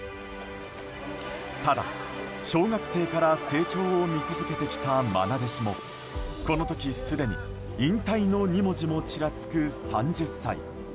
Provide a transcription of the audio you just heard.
ただ、小学生から成長を見続けてきた愛弟子もこの時すでに引退の２文字もちらつく３０歳。